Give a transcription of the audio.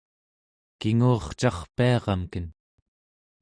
kingu'urcarpiaramken